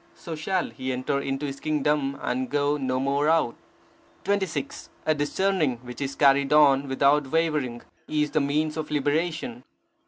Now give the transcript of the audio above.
So shall he enter into his kingdom, and go no more out. 26. A discerning which is carried on without wavering is the means of liberation.